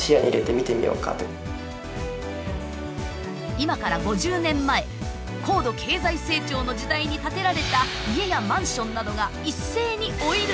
今から５０年前高度経済成長の時代に建てられた家やマンションなどが一斉に老いる